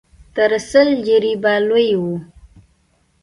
تر سل جريبه لوى و.